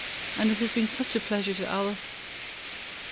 "And it has been such a pleasure to Alice."